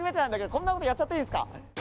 こんなことやっちゃっていいんですか。